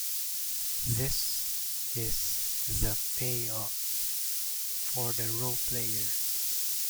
This is the payoff for the row player.